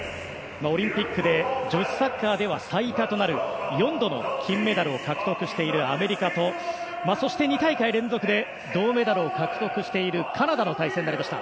オリンピックで女子サッカーでは最多となる４度の金メダルを獲得しているアメリカとそして２大会連続で銅メダルを獲得しているカナダとの対戦となりました。